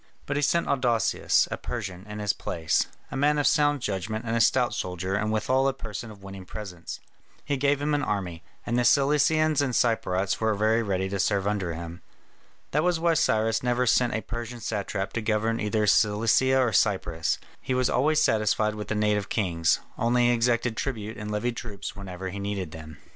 But he sent Adousius, a Persian, in his place, a man of sound judgment and a stout soldier and withal a person of winning presence. He gave him an army; and the Cilicians and Cypriotes were very ready to serve under him. That was why Cyrus never sent a Persian satrap to govern either Cilicia or Cyprus; he was always satisfied with the native kings; only he exacted tribute and levied troops whenever he needed them.